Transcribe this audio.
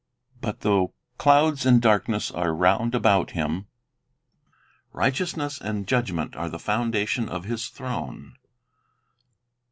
But though "clouds and darkness are round about Him, righteousness and judgment are the founda tion of His throne."